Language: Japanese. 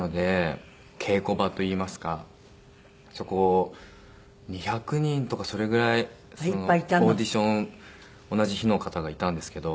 稽古場といいますかそこを２００人とかそれぐらいオーディション同じ日の方がいたんですけど。